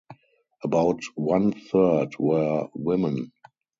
About one third were women.